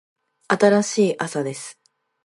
新しい朝です。